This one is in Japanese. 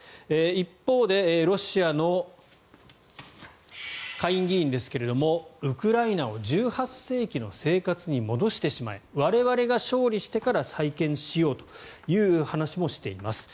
一方でロシアの下院議員ですがウクライナを１８世紀の生活に戻してしまえ我々が勝利してから再建しようという話もしています。